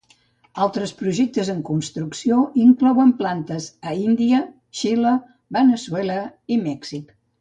Altres projectes en construcció inclouen plantes a Índia, Xile, Veneçuela i Mèxic.